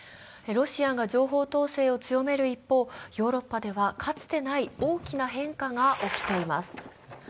ロシアが情報統制を強める一方、ヨーロッパではかつてない大きな変化が起きています。